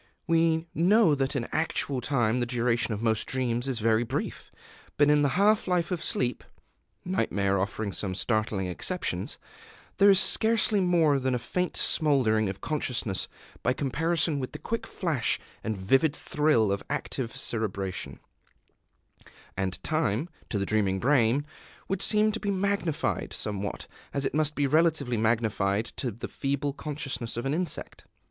We know that in actual time the duration of most dreams is very brief. But in the half life of sleep (nightmare offering some startling exceptions) there is scarcely more than a faint smouldering of consciousness by comparison with the quick flash and vivid thrill of active cerebration; and time, to the dreaming brain, would seem to be magnified, somewhat as it must be relatively magnified to the feeble consciousness of an insect.